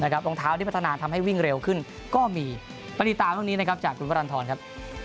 รองเท้าที่พัฒนาทำให้วิ่งเร็วขึ้นก็มีตามตรงนี้จากคุณพรรณฑรครับ